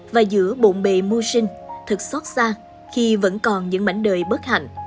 và giữa bộn bề mua sinh thật xót xa khi vẫn còn những mảnh đời bất hạnh